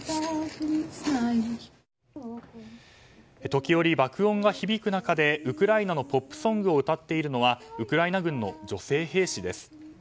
時折、爆音が響く中でウクライナのポップソングを歌っているのはウクライナ軍の女性兵士です。